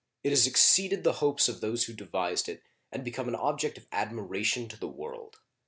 It has exceeded the hopes of those who devised it, and become an object of admiration to the world.